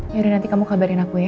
yaudah nanti kamu kabarin aku ya